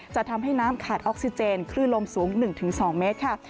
จะทำให้น้ำขาดออกซิเจนคลื่นลมสูง๑๒เมตรค่ะ